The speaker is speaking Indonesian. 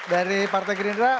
dari partai gerindra